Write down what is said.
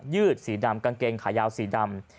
ืดสีดำกางเกงขายาวสีดำ